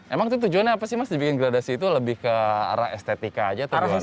emang itu tujuannya apa sih mas dibikin gradasi itu lebih ke arah estetika aja atau gimana